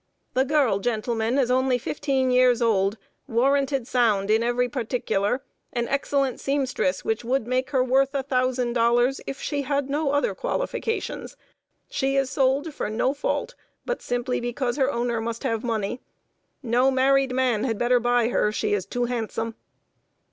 "The girl, gentlemen, is only fifteen years old; warranted sound in every particular, an excellent seamstress, which would make her worth a thousand dollars, if she had no other qualifications. She is sold for no fault, but simply because her owner must have money. No married man had better buy her; she is too handsome."